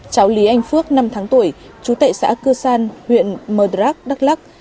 cháu lý anh phước năm tháng tuổi chú tệ xã cư san huyện mờ đrác đắk lắc